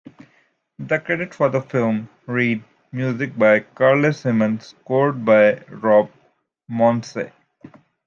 The credits for the film read "music by Carly Simon, scored by Rob Mounsey".